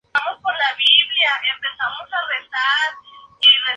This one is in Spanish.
Los animales forman un grupo natural estrechamente emparentado con los Fungi.